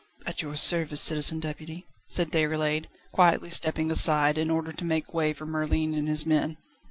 "At your service, Citizen Deputy!" said Déroulède, quietly stepping aside, in order to make way for Merlin and his men.